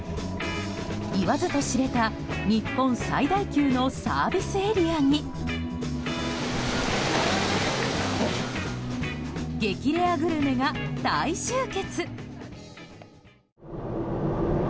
いわずと知れた日本最大級のサービスエリアに激レアグルメが大集結。